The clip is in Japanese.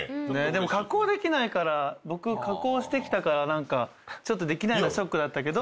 でも加工できないから僕加工してきたから何かできないのショックだったけど。